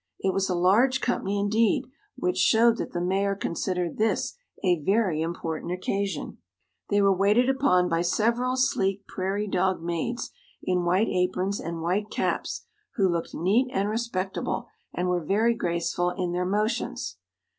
It was a large company, indeed, which showed that the Mayor considered this a very important occasion. They were waited upon by several sleek prairie dog maids in white aprons and white caps, who looked neat and respectable, and were very graceful in their motions.